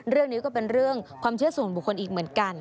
เรื่องนี้ก็เป็นเรื่องความเชื่อส่วนบุคคลอีกเหมือนกัน